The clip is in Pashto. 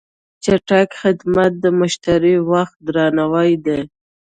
چټک خدمت د مشتری وخت درناوی دی.